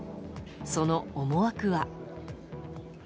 その思惑は？